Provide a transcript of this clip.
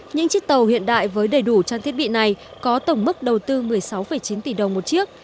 những chiếc tàu hiện đại với đầy đủ trang thiết bị này có tổng mức đầu tư một mươi sáu chín tỷ đồng một chiếc